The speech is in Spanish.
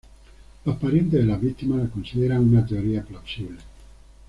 Los parientes de las víctimas la consideran una teoría plausible.